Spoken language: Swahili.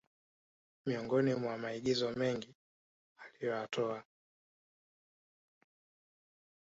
miongoni mwa maagizo mengi aliyoyatoa